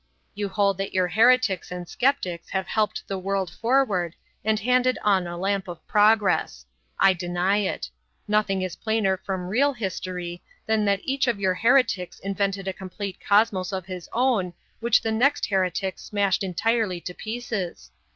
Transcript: You hold that your heretics and sceptics have helped the world forward and handed on a lamp of progress. I deny it. Nothing is plainer from real history than that each of your heretics invented a complete cosmos of his own which the next heretic smashed entirely to pieces.